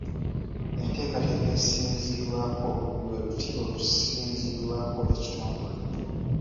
Enteekateeka esinziirwako lwe lutiba olusinziirwako ekitongole.